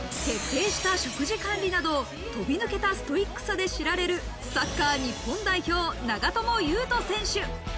徹底した食事管理など、飛び抜けたストイックさで知られるサッカー日本代表・長友佑都選手。